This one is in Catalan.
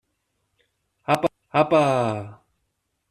Apa!